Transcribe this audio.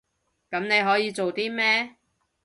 噉你可以做啲咩？